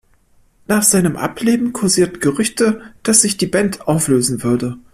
Nach seinem Ableben kursierten Gerüchte, dass sich die Band auflösen würde.